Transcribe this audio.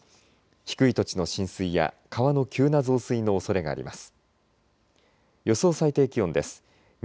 低い土地の浸水や川の急な増水のおそれがあります。